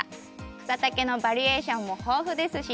草丈のバリエーションも豊富ですし